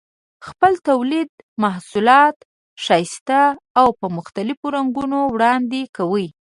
خپل تولیدي محصولات ښایسته او په مختلفو رنګونو وړاندې کوي.